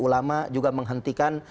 ulama juga menghentikan